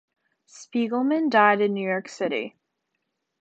Spiegelman died in New York City.